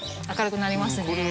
明るくなりますね。